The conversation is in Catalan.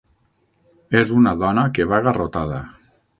És una dona que va garrotada.